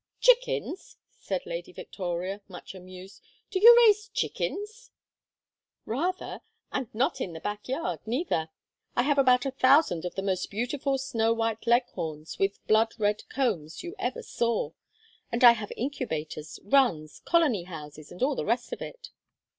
"Chickens?" said Lady Victoria, much amused. "Do you raise chickens?" "Rather; and not in the back yard, neither. I have about a thousand of the most beautiful snow white Leghorns with blood red combs you ever saw; and I have incubators, runs, colony houses, and all the rest of it.